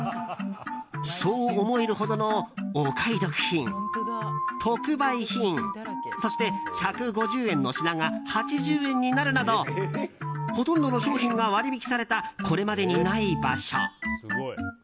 そう思えるほどのお買い得品、特売品そして１５０円の品が８０円になるなどほとんどの商品が割引されたこれまでにない場所。